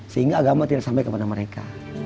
sehingga agama tidak sampai kepada mereka